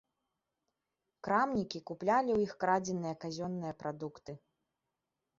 Крамнікі куплялі ў іх крадзеныя казённыя прадукты.